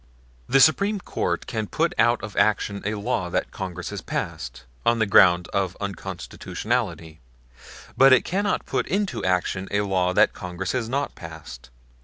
The Supreme Court can put out of action a law that Congress has passed, on the ground of unconstitutionality; but it cannot put into action a law that Congress has not passed.